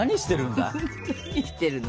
何してるの？